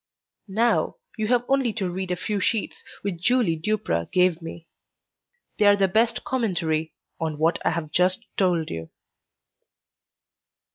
Now you have only to read a few sheets which Julie Duprat gave me; they are the best commentary on what I have just told you.